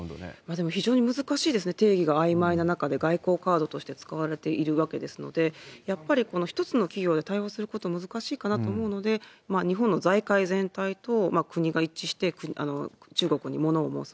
でも非常に難しいですね、定義があいまいの中で、外交カードとして使われているわけですので、やっぱりこの一つの企業で対応することは難しいかなと思うので、日本の財界全体と国が一致して中国にものを申す。